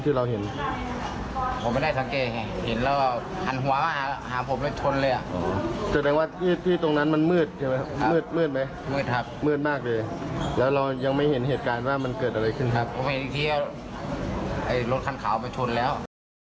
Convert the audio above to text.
ผมเห็นที่รถคันขาวไปทุนแล้ว